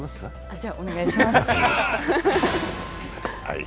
じゃ、お願いします。